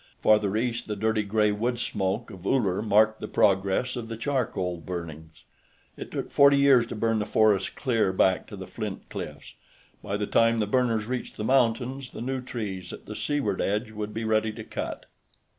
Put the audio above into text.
Farther east, the dirty gray woodsmoke of Uller marked the progress of the charcoal burnings. It took forty years to burn the forests clear back to the flint cliffs; by the time the burners reached the mountains, the new trees at the seaward edge would be ready to cut.